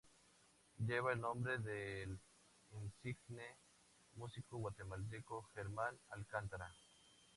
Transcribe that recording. Lleva el nombre del insigne músico guatemalteco Germán Alcántara.